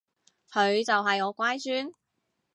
佢就係我乖孫